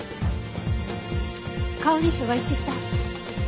顔認証が一致した。